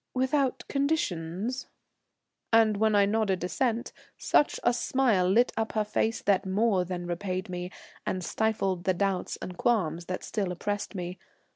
"Without conditions?" And when I nodded assent such a smile lit up her face that more than repaid me, and stifled the doubts and qualms that still oppressed me.